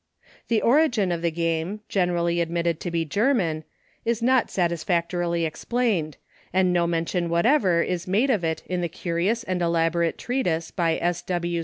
The origin of the game — generally ad mitted to be German — is not satisfactorily explained, and no mention whatever is made of it in the curious and elaborate treatise by S. W.